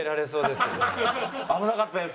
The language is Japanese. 危なかったです。